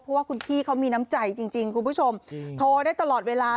เพราะว่าคุณพี่เขามีน้ำใจจริงคุณผู้ชมโทรได้ตลอดเวลา